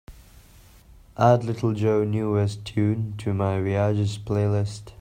Add little joe newest tune to my viajes playlist